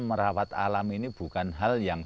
merawat alam ini bukan hal yang